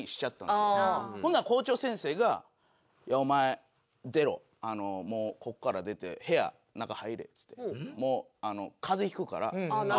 ほんなら校長先生が「いやお前出ろ」「もうここから出て部屋中入れ」っつってもう風邪ひくから休めと。